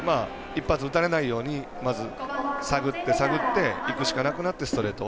一発打たれないようにまず探って探っていくしかなくなってストレート。